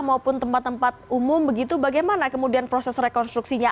maupun tempat tempat umum begitu bagaimana kemudian proses rekonstruksinya